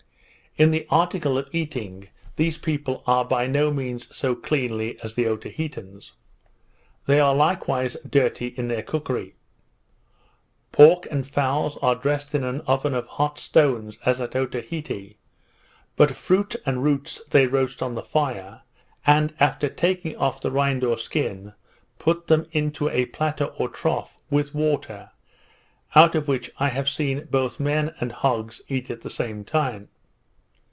In the article of eating, these people are by no means so cleanly as the Otaheiteans. They are likewise dirty in their cookery. Pork and fowls are dressed in an oven of hot stones, as at Otaheite; but fruit and roots they roast on the fire, and after taking off the rind or skin, put them into a platter or trough, with water, out of which I have seen both men and hogs eat at the same time.